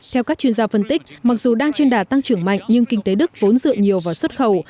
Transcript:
theo các chuyên gia phân tích mặc dù đang trên đà tăng trưởng mạnh nhưng kinh tế đức vốn dựa nhiều vào xuất khẩu